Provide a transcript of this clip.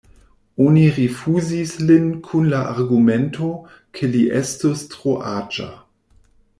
Oni rifuzis lin kun la argumento, ke li estus tro aĝa.